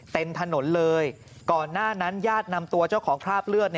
เต็มถนนเลยก่อนหน้านั้นญาตินำตัวเจ้าของคราบเลือด